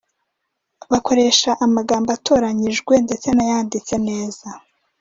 bakoresha amagambo atoranyijwe ndetse yanditse neza